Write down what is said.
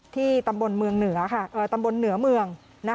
ที่ตำบลเหนือเมือง